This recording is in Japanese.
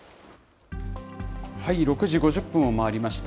６時５０分を回りました。